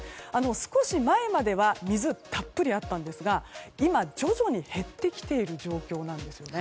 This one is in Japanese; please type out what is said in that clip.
少し前までは水がたっぷりあったんですが今、徐々に減ってきている状況なんです。